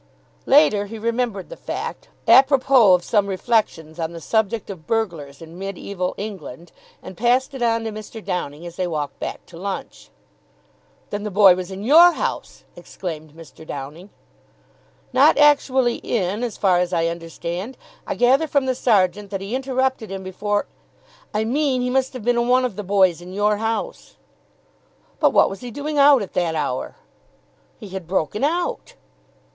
Later he remembered the fact à propos of some reflections on the subject of burglars in mediaeval England, and passed it on to Mr. Downing as they walked back to lunch. "Then the boy was in your house!" exclaimed Mr. Downing. "Not actually in, as far as I understand. I gather from the sergeant that he interrupted him before " "I mean he must have been one of the boys in your house." "But what was he doing out at that hour?" "He had broken out."